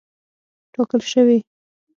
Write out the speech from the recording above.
ټاکل شوې.